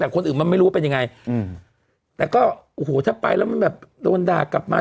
แต่คนอื่นมันไม่รู้ว่าเป็นยังไงอืมแต่ก็โอ้โหถ้าไปแล้วมันแบบโดนด่ากลับมา